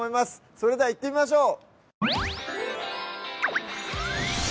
それでは行ってみましょう！